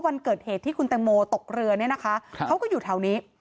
วันเกิดเหตุที่คุณแตงโมตกเรือเนี่ยนะคะเขาก็อยู่แถวนี้